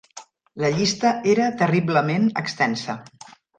La llista era terriblement extensa.